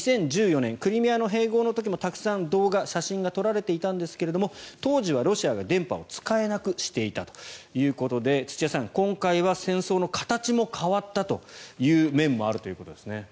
２０１４年クリミアの併合の時もたくさん動画、写真が撮られていたんですが当時はロシアが電波を使えなくしていたということで土屋さん、今回は戦争の形も変わったという面もあるということですね。